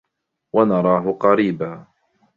ونراه قريبا